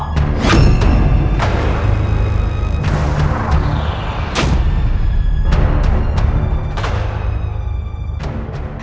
kamu benar nada prabu